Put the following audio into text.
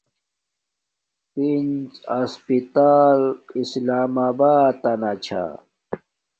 پنز ھسپتال اسلام آباتنا چھا